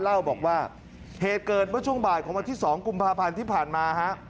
เล่าบอกว่าเหตุเกิดเมื่อช่วงบ่ายของวันที่๒กุมภาพันธ์ที่ผ่านมาฮะ